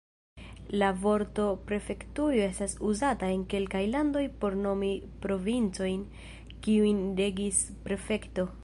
La vorto prefektujo estas uzata en kelkaj landoj por nomi provincojn kiujn regis prefekto.